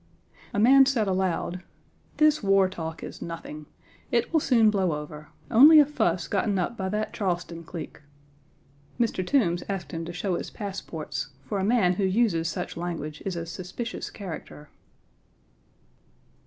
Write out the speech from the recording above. A man said aloud: "This war talk is nothing. It will soon blow over. Only a fuss gotten up by that Charleston clique." Mr. Toombs asked him to show his passports, for a man who uses such language is a suspicious character.